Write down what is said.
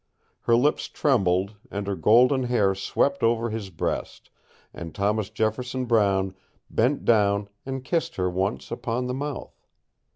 Her lips trembled, and her golden hair swept over his breast, and Thomas Jefferson Brown bent down and kissed her once upon the mouth.